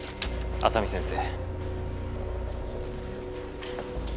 浅海先生。